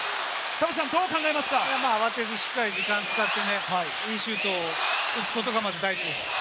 慌てずしっかり時間を使っていいシュートを打つことがまず大事です。